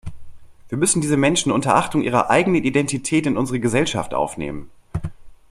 Wir müssen diese Menschen unter Achtung ihrer eigenen Identität in unsere Gesellschaft aufnehmen.